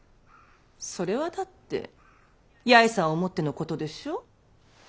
それはだって八重さんを思ってのことでしょう？